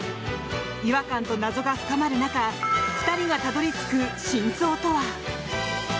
違和感と謎が深まる中２人がたどり着く真相とは？